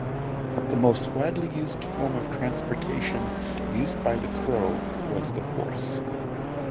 The most widely used form of transportation used by the Crow was the horse.